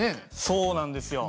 そうなんですよ。